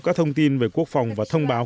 các thông tin về quốc phòng và thông báo